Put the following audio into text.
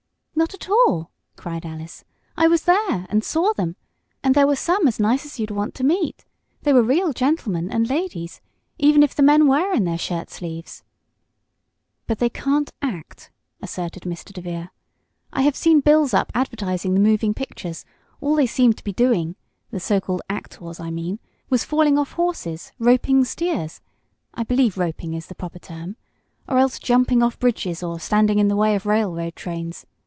"Not at all!" cried Alice. "I was there and saw them, and there were some as nice as you'd want to meet. They were real gentlemen and ladies, even if the men were in their shirt sleeves." "But they can't act!" asserted Mr. DeVere. "I have seen bills up advertising the moving pictures all they seemed to be doing the so called actors, I mean was falling off horses, roping steers I believe "roping" is the proper term or else jumping off bridges or standing in the way of railroad trains.